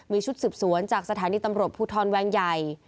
มีชุดสืบสวนจากสถานีตำรวจภูทรแวงใหญ่